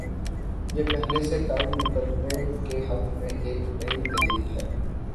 یہ پہلے سے قائم مقدمے کے حق میں ایک نئی دلیل ہے۔